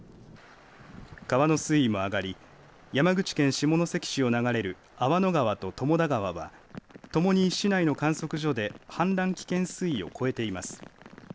川の水位も上がり山口県下関市を流れる粟野川と友田川はともに市内の観測所で氾濫危険水位を超えています。